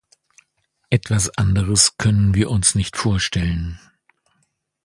Etwas anderes können wir uns nicht vorstellen.